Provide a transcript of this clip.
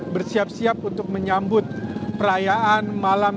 bersiap siap untuk menyambut perayaan malam